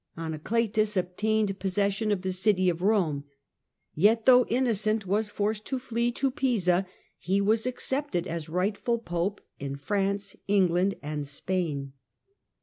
Anacletus obtained pos session of the city of Rome, yet though Innocent was forced to fly to Pisa, he was accepted as rightful Pope in France, England and Spain.